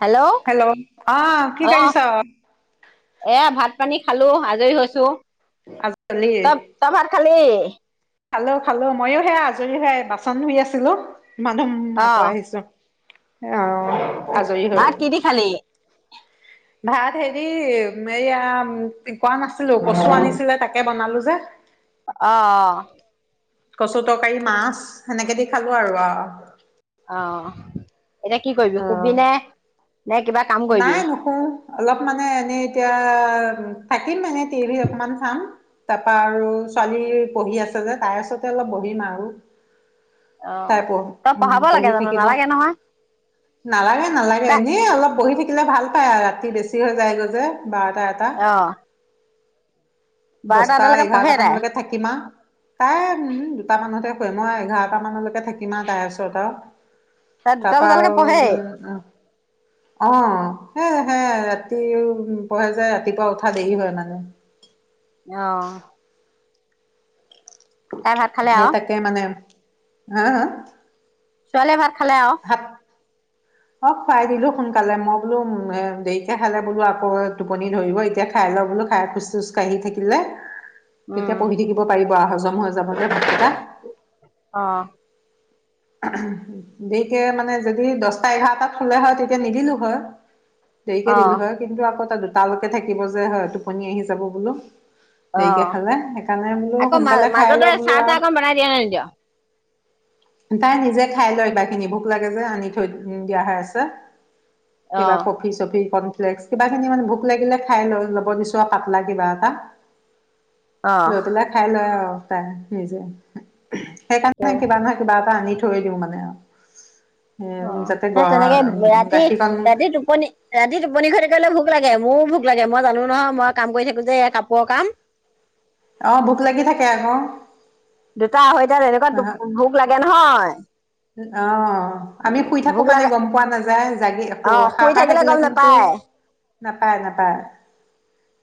Hello hello অ কি অহ, কৰিছ এয়া ভাত পানী। খালোঁ‌। আজৰি হৈছোঁ। আজলি ত তই ভাত খালি? [inaudible] খালোঁ‌ খালোঁ‌। মইো সেয়া আজৰি হে বাচন ধুই আছিলো। মাধম আকৌ আহিছো। অ অ' আজৰি হৈ ভাত কিদি খালি? ভাত হেৰি এয়া! কোৱা নাছিলো, কচু আনিছিলে তাকে বনালোঁ‌। [unintelligible] অ' অ' কচু তৰকাৰী মাছ সেনেকে দি খালো আৰু আও। অ এতিয়া কি কৰিবি অ শুবিনে? নাই নোহো অলপ মানে এনেই এতিয়া থাকিম মানে, টিভি অকমান চাম তাৰপা আৰু ছোৱালী পঢ়ি আছে যে, তাইৰ ওচৰতে অলপ বহিম আৰু অ তাই পঢ়ি তই উম পঢ়াব লাগে পঢ়ি জানো থাকিব, নালাগে নহয় নালাগে, নালাগে তাই এনে অলপ বহি থাকিলে ভাল পায়, আৰু ৰাতি বেছি হৈ যায়গৈ যে বাৰটা, এটা অ বাৰটা দহটা, এটালৈকে এঘাৰটা পঢ়ে তাই মানলৈকে থাকিম আও, তাই উম দুটা মানতহে মই এঘাৰটা মানলৈকে থাকিম, আৰু তাইৰ ওচৰত আৰু তাই দুটা তাৰপা বজালৈকে আৰু পঢ়েই উম, উম অ সে, সে ৰাতিও পঢ়ে যে ৰাতিপুৱা উঠা দেৰি হয় মানে অ খালে এ আৰু তাকে মানে হা, হা ছোৱালীয়ে ভাত, খালে আও ভাত অ খুৱাই দিলো সোনকালে, মই বোলো দেৰিকে খালে বোলো আকৌ টোপনি ধৰিব, এতিয়া খাই ল বোলো খাই খোজ চোজ কাঢ়ি থাকিলে উম তেতিয়া পঢ়ি থাকিব পাৰিব, আৰু হজম হৈ যাব যে ভাতকেইটা অ দেৰিকে মানে, যদি দহটা এঘাৰটাত শুলে হয় তেতিয়া নিদিলো হয়। অ দেৰিকে দিলোঁ হয়, কিন্তু আকৌ তাত তালৈকে থাকিব যে হয়, টোপনি আহি যাব বোলো অ দেৰিকে খালে সেইকাৰণে বোলো আকৌ মা সোনকালে খাই মাজতে লওঁ বোলো চাহ তাহ আৰু। অকণ বনাই দিয় না নিদিয় তাই নিজে খাই লয়, কিবা খিনি ভোক লাগে যে আনি থৈ দিয়া হৈ আছে। কিবা অহ কফি চফি ক কিবা খিনি, মানে ভোক লাগিলে খাই লৈ ল'ব দিছো পাতলা কিবা এটা লৈ অহ পেলাই খাই লৈ আও, তাই নিজে, সেইকাৰণে কিবা নহই কিবা কিবা এটা আনি থৈ দিওঁ মানে আও অ সেই তেনেকে ৰাতি, গাখীৰকণ ৰাতি টোপনি ৰাতি টোপনি খতি কৰিলে ভোক লাগিব মোৰো ভোক লাগে মই জানো নহয়, মই কাম কৰি থাকো যে কাপোৰৰ কাম, অ ভোক লাগি থাকে আকৌ, দুটা আঢ়ৈ তাত এনেকুৱা ভোক লাগে নহয়, উ [unintelligible] অ আমি শুই থাকো ভোক কাৰণে লাগে গম পোৱা নাযায়, জাগি অ শুই সাৰ পায় থাকিলে গম কিন্তু নাপায় নাপায়- নাপায়,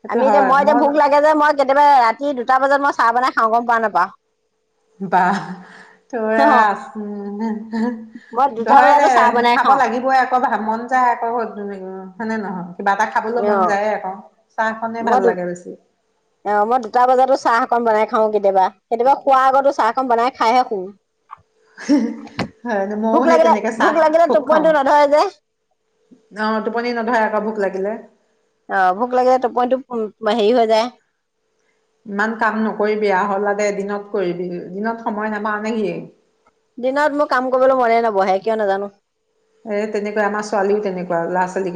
সেইটো আমি এতিয়া হয় মই এতিয়া ভোক লাগে যে, মই কেতিয়াবা ৰাতি দুটা বজাত মই চাহ বনাই খাওঁ গম পা নাপাওঁ বাহ', ত অ আছ মই দুটা ধয় দে বজাতো চাহ বনাই খাব খাওঁ লাগিবই আকৌ মন যায় আকৌ ঘৰত হয়নে নহয়। কিবা এটা খাবলৈ মন অ যায় আকৌ। চাহখনে মই ভাল দু লাগে বেছি অ', মই দুটা বজাতো চাহ অকন বনাই খাওঁ কেতিয়াবা -কেতিয়াবা খোৱাৰ আগতো চাহখনন বনাই খাইহে শুওঁ। হে ', হয় ', মইও ভোক সেই লাগিলে তেনেকে ভোক চাহ লাগিলে খুব খাও টোপনিটো নধৰে যে অ', টোপনি নধৰে আকৌ ভোক লাগিলে। অ', ভোক লাগে যায় টোপইটো হেৰি হৈ যায় ইমান কাম নকৰি বেয়া হ'লা দে এদিনত। কৰিবি দিনত সময় নাপাও নে সিয় দিনত মোৰ কাম কৰিবলৈ মনে নবহে কিয় নাজানো। এ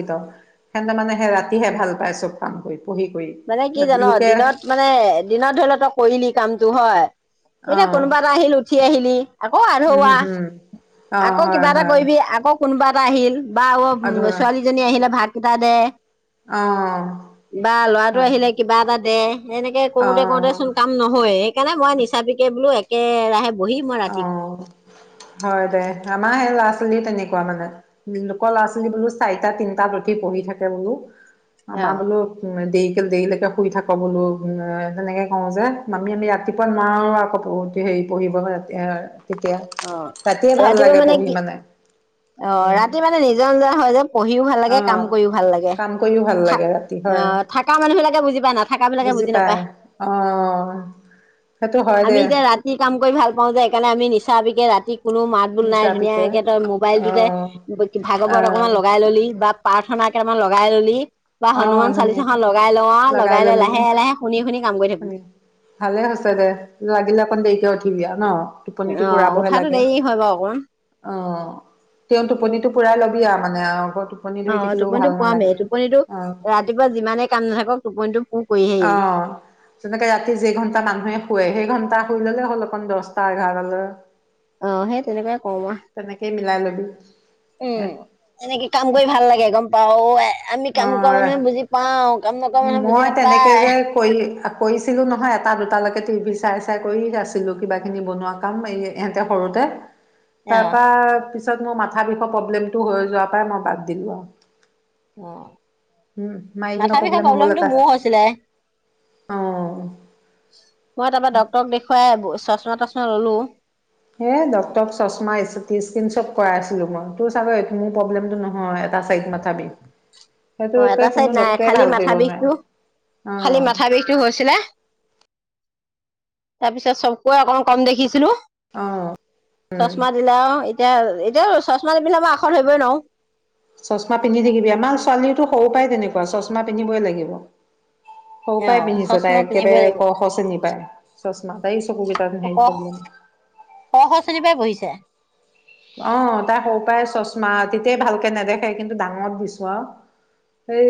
সে মানে সেই ৰাতিহে ভাল পাই চব কাম কৰি। পঢ়ি কৰি মানে কি জান লোকে দিনত মানে দিনত ধৰি লও তই কৰিলি কামটো হয়', অ এতিয়া কোনোবা এটা আহিল উঠি আহিলি আকৌ উম আধৱা হম অ আকৌ হয় কিবা এটা হয় কৰিবি আকৌ কোনোবাত আহিল। বা অ', আধৰুৱা ছোৱালীজনী আহিলে ভাত কটা দে অ', টো হয় আহিলে কিবা এটা দে। এনেকে অ কৰোতে কৰোতে চোন কাম নহয় সেইকাৰণে মই নিচাকে বোলো কে ৰা অ', হয় দে আমাৰ সে ল'ৰা ছৱালী ল'ৰা ছালও তেনেকুৱা মানে লোক ল'ৰা ছোৱালী বোলো চাৰিটা তিনটা উঠি পঢ়ি থাকে বোলো। অ আমাৰ বোলো উ', দ কিল দেৰিলৈকে শুই থাকো বোলো তেনেকৈ কওঁ যে আমি- আমি ৰাতিপুৱা নোৱাৰোঁ আকৌ হেৰি পঢ়িব। এয়', অ ', ৰাতিপুৱা মানে কি অ ', উম ৰাতি মানে নিজৰ নিজা হয় যে। পঢ়িও ভাল লাগে কাম আহ কৰিও ভাল লাগে কাম কৰিও ভাল থ লাগে ৰাতি হয় আহ থকা মানুহ বিলাকে বুজি পায় নাথাক বিলাকে বুজি পায় নাপায় অ সেইটো হয় দে আমি এতিয়া ৰাতি কাম কৰি ভাল পাওঁ যে সেইকাৰণে আমি নি চাহ বিকে ৰাতি কোনো মাত বোল নিচা নাই পিকে ধুনীয়াকে তই অ মোবাইলটোতে ভাগৱত অকনমান আহ লগাই ললি বা প্ৰাৰ্থনা কেইটামান বাই ললি বা হনুমান অ' ধুনীয়া চালিচাখন লগাই লওঁ আৰু লগাই লৈ ললি লাহে লাহে শুনি শুনি কাম কৰি থাকো। ভালে হৈছে দে লাগিলে অকন দেৰিকে উঠিবি ন টোপনিটো অ' পুৰাবহে উঠাতো লাগে দেৰি হয় বাৰু অকমান অ তেওঁ টোপনিটো পুৰাই লবি আৰু মানে আৰু অ টোপনটো পোৱামেই টোপনিটো। অ', ৰাতিপুৱা যিমানে কাম নাথাকক টোপনিটো পূৰ কৰি অ আহিম তেনেকে ৰাতি যে ঘন্টা মানুহে শুৱে সেই ঘন্টা টা শুই ললে হ'ল অকণ দহটা এঘাৰ লৈ অ সেই তেনেকুৱাই কৰো মিলাই ল'বি আৰু উম এনেকে কাম কৰি ভাল লাগে গম। পাওঁ। অ ৰা নকৰা মানুহে বুজি মই তেনেকে নাপায়। যে কৰি কৰিছিলো নহয় এটা দুটালৈকে। টিভি চাই চাই কৰি আছিলো কিবা কিবি বনোৱা কাম এই ইহঁতে সৰুতে। অ তাৰপা পিছ পিছত মোৰ মাথা বিষৰ প্ৰব্লেমটো হৈ যোৱা পৰাই মই বাদ দিলো আৰু অ উম, মাইগ্ৰেনৰ মাথা বিষা প্ৰব্লেম হ'বলৈ প্ৰব্লেমতটো পাইছে মোৰ হৈছিলে অ'। মই তাৰপৰা ডক্টৰক দেখুৱাই বচ চশমা তাশমা ললো হ ডক্টৰক চশমা চিতিইচকিন কৰাই আছিলো মই তোৰ চাগৈ মোৰ প্ৰব্লেমটো নহয় এটা চাইড মাথা বিষ। অ সেইটোকে এটা কোনো চাইড নাই ডক্তৰে খালি ভাল মাথা কৰিব নোৱাৰে বিষটো খালি অ', মাথা বিষটো হৈছিলে। তাৰপিছত চকুৰে অকণ কম দেখিছিলো। অ', উম। চশমা দিলে আও। এতিয়া এতিয়া চশমা নিপিন্ধা মই আখৰ ধৰিবই নোৱাও। চশমা পিন্ধি থাকিবি আমাৰ ছোৱালীটো সৰু পৰাই তেনেকুৱা চশমা পিন্ধিবই লাগিব। সৰু অ পায় পিন্ধিছে তাই চচমা পিন্ধিবই একেবাৰে লাগিব ক খ শ্ৰেণীৰ পায় চশমা তাই চকু বিষাই ক এই চব প্ৰব্লেম খ খ শ্ৰেণীৰ পৰাই পঢ়িছে। অ তাই সৰু পৰাই চশমা তেতিয়াই ভালকে নেদেখে কিন্তু ডাঙত দিছো আৰু। সেই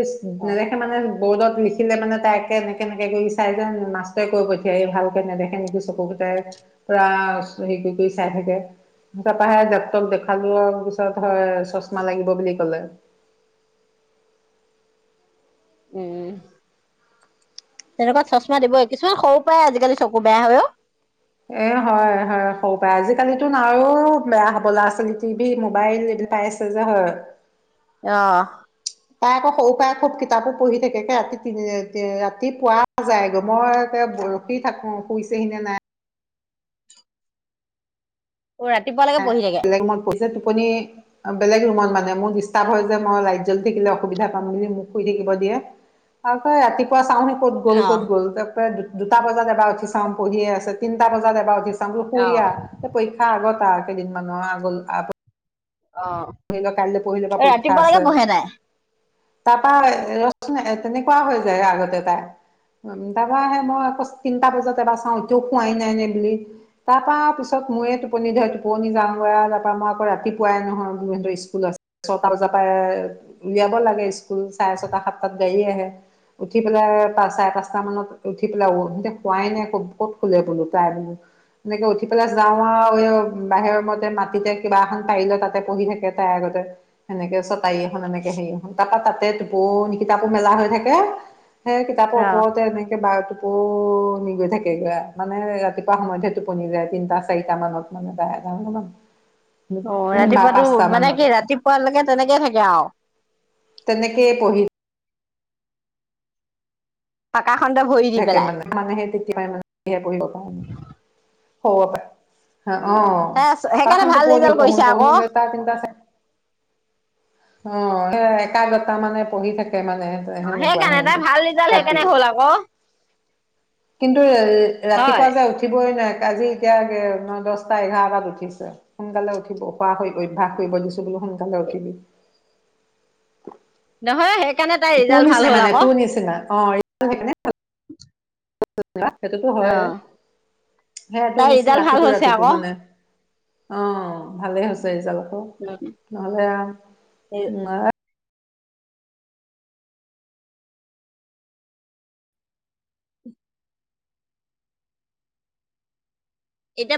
অ নেদেখে মানে বৰ্ডত লিখিলে মানে তাইে এনেকে এনেকে কৰি চাই যে মাষ্টৰে কৈ পঠিয়াই ভালকে নেদেখে নেকি চকুকেইটাই পুৰা হেৰি কৰি কৰি চাই থাকে। তাপাহে ডাক্তৰক দেখোৱালো পিছত হয় চশমা লাগিব বুলি কলে। উম তেনেকুৱা চশমা দিবই কিছুমান সৰু পৰাই আজিকালি চকু বেয়া হয় অ। এ হয় হয় হ'ব পাৰে আজিকালিতো আৰু বেয়া হ'ব ল'ৰা ছোৱালী টিভি মোবাইল এইবিলাক পাই আছে যে হয়। আহ্ তাই আকৌ সৰু পৰা খুব কিতাপো পঢ়ি থাকে কে ৰাতি তিনি ৰাতি পুৱা যায়গৈ মই আকৌ ৰখি থাকো শুইছেহি নে নাই? অ ৰাতিপুৱালৈকে পঢ়ি থাকে। ৰুমত পৰিছে টোপনি এ বেলেগ ৰুমত মানে মোৰ ডিষ্টাৰ্ব হয় যে মই লাইট জ্বলি থাকিলে অসুবিধা পাম বুলি মোক শুই থাকিব দিয়ে আকৌ ৰাতিপুৱা চাওঁ সি ক'ত গ'ল ক'ত অ গ'ল তাক প্ৰায় দু দুটা বজাত এবাৰ উঠ চাম পঢ়িয়ে আছে তিনিটা বজাত এবাৰ উঠি । টা বোলা শুহি আ পৰীক্ষা আগত তাত কেইদিনমানৰ আগল আগল আ অ, এ পৰীক্ষা ৰাতিপুৱা লৈকে আছে পঢ়ে তাই। তাৰপা ৰচোন তেনেকুৱা হৈ যায় আগতে তাই, উম তাৰপা সেই মই তিনটা বজাত এবাৰ চাওঁ এতিয়াও শোৱাই নাই নেকি? তাৰ পৰা পিছত মোৰে টোপনি ধৰে টোপনি যাওঁগৈ তাৰ পৰা মই আকৌ ৰাতিপুৱাই নহয় উম স্কুলত ছটা বজাৰ পৰা উলিয়াব লাগে, স্কুল চাৰে ছটা সাতটাত গাড়ী আহে, উঠি পেলাই চাৰে পাঁচটা মানত উঠি পেলাই সিহঁতে শোৱাই নাই ক'ত শোলে বোলো, তাই এনেকে উঠি পেলাই যাওঁ, আৰু বাহিৰৰ মতে মাটিতে কিবা এখন পাৰিলে তাতে বহি থাকে তাইৰ আগতে, সেনেকে চটাৰী এখন এনেকে হেৰি এখন তাৰপা তাতে টোপনি কিতাপখন মেজা হৈ থাকে। সে কিতাপৰ অ ওপৰতে এনেকে বায় আকৌ নি গৈ থাকেগৈ, মানে ৰাতিপুৱা সময়তহে টোপনি যায় তিনটা, চাৰিটা মানত মানে তাই যাওঁমান [unintelligible] অ ৰাতিপুৱাতো, মানে কি, ৰাতিপুৱালৈকে তেনেকে থাকে আৰু তেনেকে পঢ়ি পাকাখনতে ভৰি দি পেলাই মানেহে তেতিয়াইহে পঢ়িব পাৰো হব পাৰে অ এ সেইকাৰণে ভাল তাহতে ব ৰিজাল্ট দ প কৰিছে প আকৌ দেটা [unintelligible] [unintelligible] অ একাগ্ৰতা মানে পঢ়ি থাকে। মানে সেনেকুৱা সেইকাৰণে সিহঁতি তাই ভাল ৰিজাল্ট ৰাতি সেইকাৰণে হ'ল আকৌ, কিন্তু এ হয় ৰাতিপুৱা যাই, উঠিবই নোৱাৰে। আজি এতিয়া ন, দহটা, এঘাৰটাত উঠিছে, সোনকালে উঠিব খোৱা হৈ অভ্যাস কৰিব দিছো বোলো সোনকালে উঠিবি। নহয় সেইকাৰণে, তাই তোৰ ৰিজাল্ট নিচিনা ভাল হ'ল মানে আকৌ তোৰ নিচিনা অ এই নে [unintelligible] [unintelligible] সেইটোতো অ হয়, সেই তোৰ তাইৰ নিচিনা ৰিজাল্ট ভাল ৰাতিটো হৈছে ৰাতিটো আকৌ মানে অ ভালে হৈছে ৰিজাল্ট। উম নহ'লে আ বঙা [unintelligible] এতিয়া